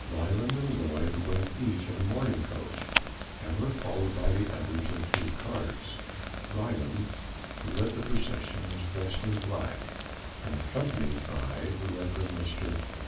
Ryland and Lloyd went each in a mourning coach, and were followed by the others in two carts. Ryland, who led the procession, was dressed in black, and accompanied by the Rev. Mr.